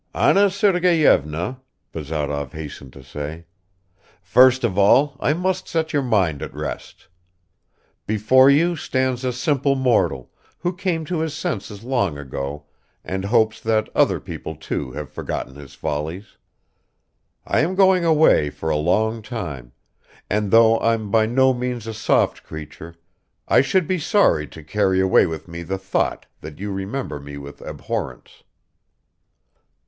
"Anna Sergeyevna," Bazarov hastened to say, "first of all I must set your mind at rest. Before you stands a simple mortal, who came to his senses long ago, and hopes that other people too have forgotten his follies. I am going away for a long time, and though I'm by no means a soft creature, I should be sorry to carry away with me the thought that you remember me with abhorrence."